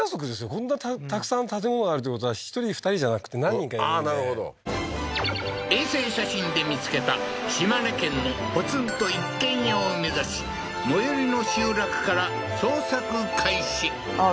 こんなたくさん建物があるってことは１人２人じゃなくて何人かいるんで衛星写真で見つけた島根県のポツンと一軒家を目指し最寄りの集落から捜索開始あっ